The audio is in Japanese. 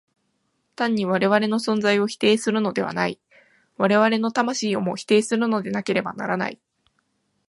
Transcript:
単に我々の存在を否定するのではない、我々の魂をも否定するのでなければならない。